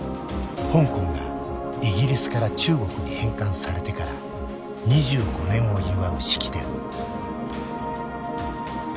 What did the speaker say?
香港がイギリスから中国に返還されてから２５年を祝う式典。